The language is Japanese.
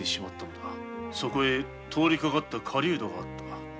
そこへ通りかかった狩人があった。